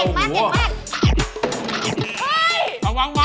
กรอฟแก่เราต้องระวังไว้